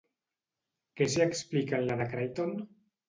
Què s'hi explica en la de Crichton?